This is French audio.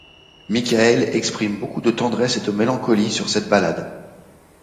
Michael exprime beaucoup de tendresse et de mélancolie sur cette balade.